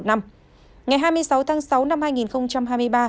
ngày hai mươi sáu tháng sáu năm hai nghìn hai mươi ba